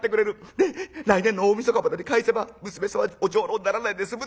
で来年の大晦日までに返せば娘さんはお女郎にならないで済む。